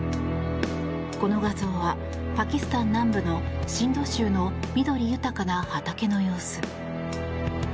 この画像はパキスタン南部のシンド州の緑豊かな畑の様子。